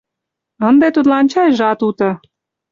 — Ынде тудлан чайжат уто.